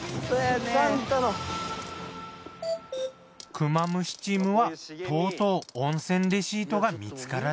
クマムシチームはとうとう温泉レシートが見つからず。